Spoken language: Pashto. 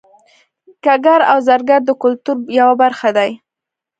ګګر او زرګر د کولتور یوه برخه دي